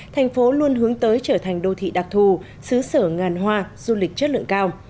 thành phố luôn hướng tới trở thành đô thị đặc thù xứ sở ngàn hoa du lịch chất lượng cao